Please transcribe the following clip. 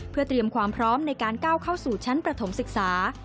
เพื่อเตรียมความพร้อมในการก้าวเข้าสู่ชั้นประถมศึกษา